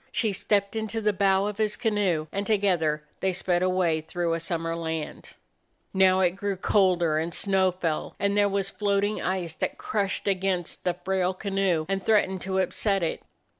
She stepped into the bow of his canoe, and together they sped away through a summer land. Now it grew colder and snow fell, and there was floating ice that crushed against the frail 47 DOG HEROES OF MANY LANDS canoe and threatened to upset it.